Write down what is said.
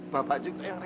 bapak juga yang repot